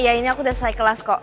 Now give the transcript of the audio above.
iya ini aku udah selesai kelas kok